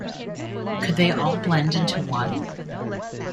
Could they all blend into one?